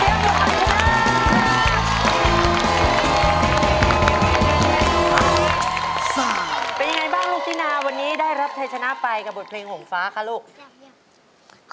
เป็นยังไงบ้างลูกตินาวันนี้ได้รับชัยชนะไปกับบทเพลงหงฟ้าคะลูก